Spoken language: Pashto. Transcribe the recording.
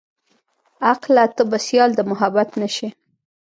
عقله ته به سيال د محبت نه شې.